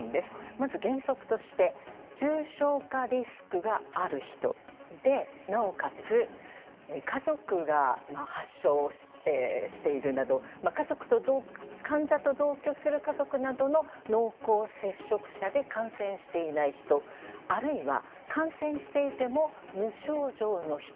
まず原則として重症化リスクがある人でなおかつ家族が発症しているなど患者と同居する家族などの濃厚接触者で感染していない人あるいは、感染していても無症状の人。